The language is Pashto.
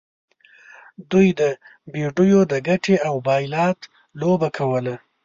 دوی د بیډیو د ګټې او بایلات لوبه کوله.